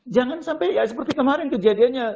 jangan sampai ya seperti kemarin kejadiannya